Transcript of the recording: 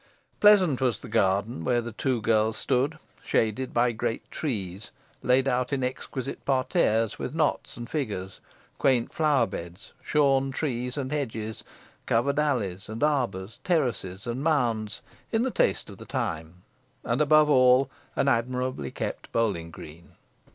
Pleasant was the garden where the two girls stood, shaded by great trees, laid out in exquisite parterres, with knots and figures, quaint flower beds, shorn trees and hedges, covered alleys and arbours, terraces and mounds, in the taste of the time, and above all an admirably kept bowling green.